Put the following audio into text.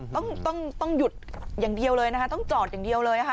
ต้องต้องหยุดอย่างเดียวเลยนะคะต้องจอดอย่างเดียวเลยนะคะ